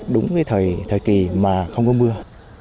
đúng với thời kỳ mà không có mưa